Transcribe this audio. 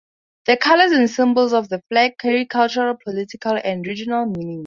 The colors and symbols of the flag carry cultural, political, and regional meanings.